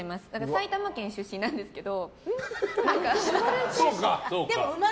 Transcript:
埼玉県出身なんですけど。